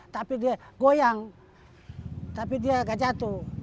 tapi dia goyang tapi dia agak jatuh